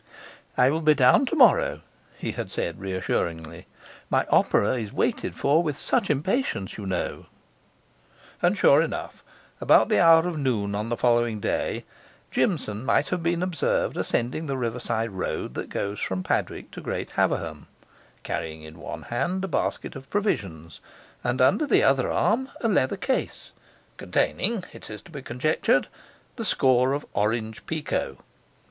'I will be down tomorrow,' he had said reassuringly. 'My opera is waited for with such impatience, you know.' And, sure enough, about the hour of noon on the following day, Jimson might have been observed ascending the riverside road that goes from Padwick to Great Haverham, carrying in one hand a basket of provisions, and under the other arm a leather case containing (it is to be conjectured) the score of Orange Pekoe.